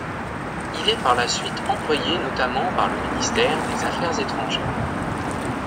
Il est par la suite employé notamment par le ministère des affaires étrangères.